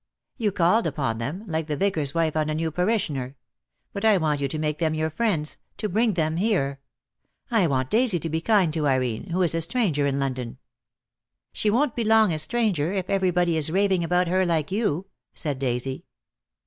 "You called upon them — like the Vicar's wife on a new parishioner. But I want you to make them your friends — to bring them here. I want Daisy to be kind to Irene, who is a stranger in London." "She won't be long a stranger, if everybody is raving about her like you," said Daisy.